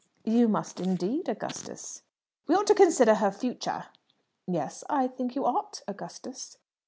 "You must, indeed, Augustus." "We ought to consider her future." "Yes; I think you ought, Augustus."